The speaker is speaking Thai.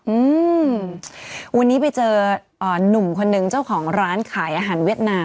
อืมวันนี้ไปเจออ่าหนุ่มคนหนึ่งเจ้าของร้านขายอาหารเวียดนาม